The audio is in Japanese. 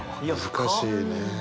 難しいね。